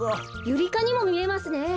ユリかにもみえますね。